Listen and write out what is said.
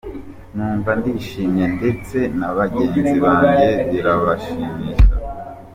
Numva ndishimye ndetse na bagenzi banjye birabashimisha.